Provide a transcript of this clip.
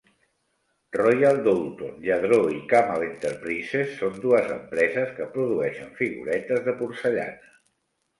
Royal Doulton, Lladró i Camal Enterprises són dues empreses que produeixen figuretes de porcellana.